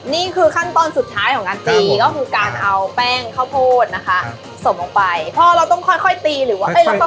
นี่คือขั้นตอนสุดท้ายของการตีก็คือการเอาแป้งข้าวโพดนะคะสมลงไปพ่อเราต้องค่อยค่อยตีหรือว่าเอ้ยแล้วก็